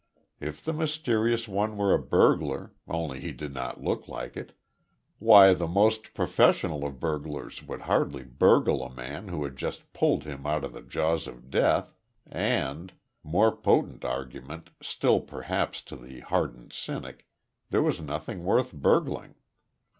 If the mysterious one were a burglar only he did not look like it why the most professional of burglars would hardly burgle a man who had just pulled him out of the jaws of death, and more potent argument still perhaps to the hardened cynic here was nothing worth burgling.